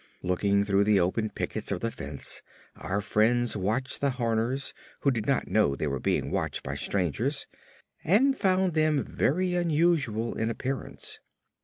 Looking through the open pickets of the fence our friends watched the Horners, who did not know they were being watched by strangers, and found them very unusual in appearance.